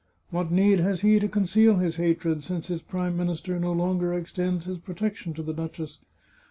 What need has he to conceal his hatred, since his Prime Minister no longer extends his protection to the duchess